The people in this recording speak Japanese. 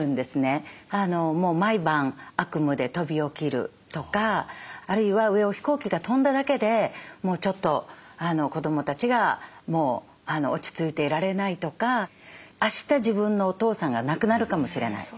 もう毎晩悪夢で飛び起きるとかあるいは上を飛行機が飛んだだけでもうちょっと子どもたちがもう落ち着いていられないとかあした自分のお父さんが亡くなるかもしれない。